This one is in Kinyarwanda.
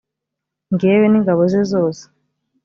ngewe n ingabo ze zose